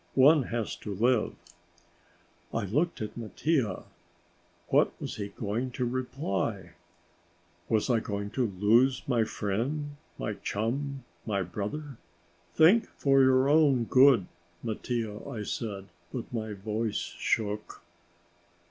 One has to live!" I looked at Mattia. What was he going to reply? Was I to lose my friend, my chum, my brother? "Think for your own good, Mattia," I said, but my voice shook.